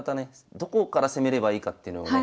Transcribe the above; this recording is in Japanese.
どこから攻めればいいかっていうのをね